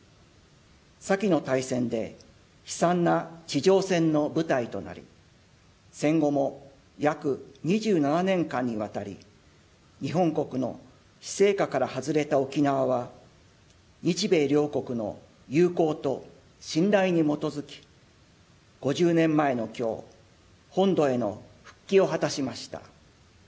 先の大戦で悲惨な地上戦の舞台となり戦後も約２７年間にわたり日本国の施政下から外れた沖縄は日米両国の友好と信頼に基づき５０年前の今日本土への復帰を果たしました。